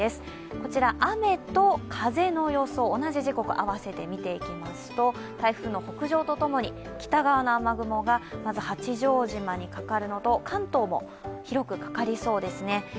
こちら、雨と風の予想、同じ時刻合わせてみていきますと台風の北上とともに北側の雨雲がまず八丈島にかかるのと関東も広くかかりそうですね。